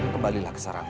kembalilah ke sarangmu